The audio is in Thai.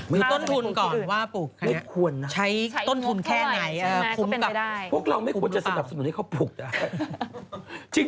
มีต้นทุนก่อนไม่ควรนะใช้ต้นทุนแค่ไหนคุ้มกับพวกเราไม่ควรจะสนับสนุนให้เขาปลูกได้